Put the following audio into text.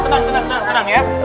tenang tenang tenang ya